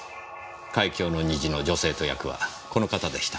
『海峡の虹』の女生徒役はこの方でした。